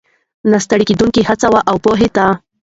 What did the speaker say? ، نه ستړې کېدونکو هڅو، او پوهې ته